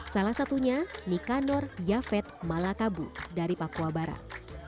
salah satunya nicanor yafet malakabu dari papua barat